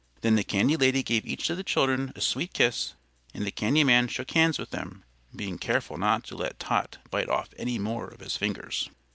Then the candy lady gave each of the children a sweet kiss, and the candy man shook hands with them, being careful not to let Tot bite off any more of his fingers.